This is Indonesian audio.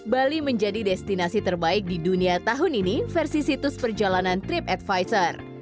bali menjadi destinasi terbaik di dunia tahun ini versi situs perjalanan trip advisor